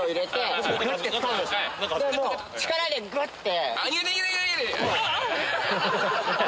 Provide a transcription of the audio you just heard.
力でグッて。